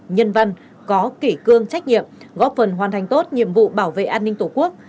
nhân văn có kỷ cương trách nhiệm góp phần hoàn thành tốt nhiệm vụ bảo vệ an ninh tổ quốc